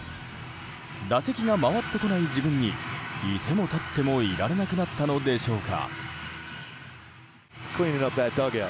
打席が回ってこない自分にいてもたってもいられなくなったのでしょうか。